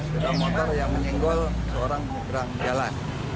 seorang motor yang menyinggol seorang nyebrang jalan